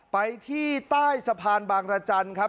ไปที่ใต้สะพานบางรจันทร์ครับ